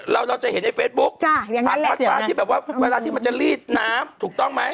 เราจะเห็นในเฟซบุ๊กพันธุ์ที่แบบว่าเวลาที่มันจะรีดน้ำถูกต้องไหม